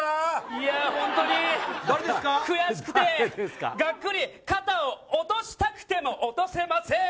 いや本当に、悔しくてガックリ肩を落としたくても落とせません。